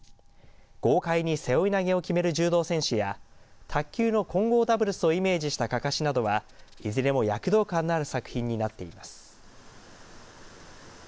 豪快に背負い投げを決める柔道選手や卓球の混合ダブルスをイメージしたかかしなどはいずれも躍動感のある作品になっています。